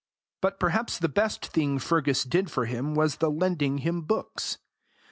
But perhaps the best thing Fergus did for him was the lending him books.